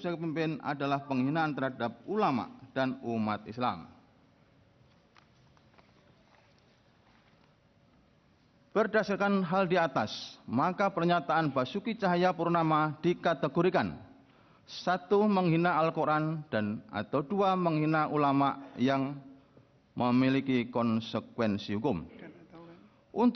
kepulauan seribu kepulauan seribu